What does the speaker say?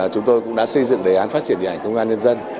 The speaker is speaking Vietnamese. chúng tôi cũng đã xây dựng đề án phát triển điện ảnh công an nhân dân